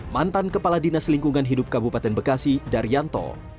mantan kepala dinas lingkungan hidup kabupaten bekasi daryanto